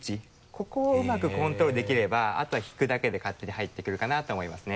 ここをうまくコントロールできればあとは引くだけで勝手に入ってくるかなって思いますね。